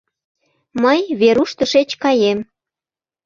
Мый, Веруш, тышеч каем...